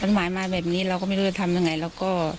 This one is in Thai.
หมายมาแบบนี้เราก็ไม่รู้จะทำยังไงแล้วก็